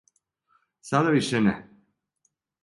Сада више не.